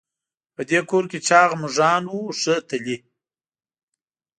په دې کور کې چاغ مږان وو ښه تلي.